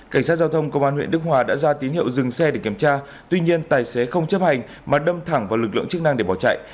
cảnh sát giao thông công an huyện đức hòa đã ra tín hiệu dừng xe để kiểm tra tuy nhiên tài xế không chấp hành mà đâm thẳng vào lực lượng chức năng để bỏ chạy